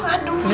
kita gak ketemu